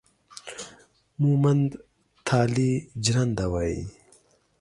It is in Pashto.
مومند تالي جرنده وايي